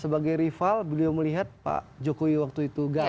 sebagai rival beliau melihat pak jokowi waktu itu gagal